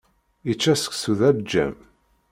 Ičča seksu d aleǧǧam.